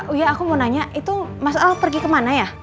oh iya aku mau nanya itu mas al pergi kemana ya